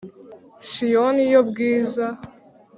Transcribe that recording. Siyoni yo bwiza